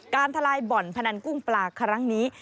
ทลายบ่อนพนันกุ้งปลาครั้งนี้